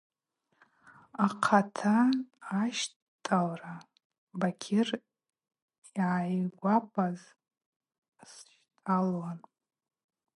Ахъата ащтӏалра Бакьыр йъайгвапаз сщтӏалуан.